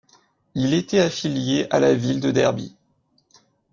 Il était affilié à la ville de Derby.